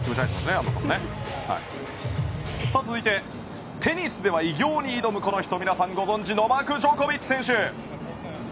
続いてテニスでは偉業に挑む皆さん、ご存じノバク・ジョコビッチ選手。